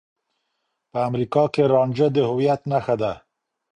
په امريکا کې رانجه د هويت نښه ده.